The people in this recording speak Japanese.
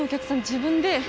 自分で。